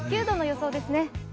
９度の予想ですね。